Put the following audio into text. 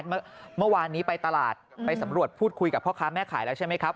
เมื่อวานนี้ไปตลาดไปสำรวจพูดคุยกับพ่อค้าแม่ขายแล้วใช่ไหมครับ